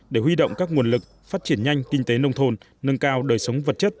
để huy động các nguồn lực phát triển nhanh kinh tế nông thôn nâng cao đời sống vật chất